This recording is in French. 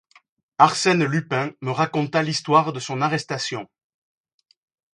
Arsène Lupin me raconta l'histoire de son arrestation.